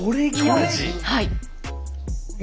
はい。